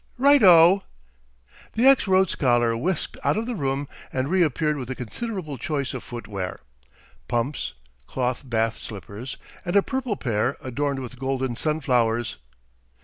"Right O!" The ex Rhodes scholar whisked out of the room and reappeared with a considerable choice of footwear pumps, cloth bath slippers, and a purple pair adorned with golden sun flowers.